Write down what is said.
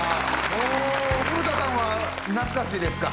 もう古田さんは懐かしいですか？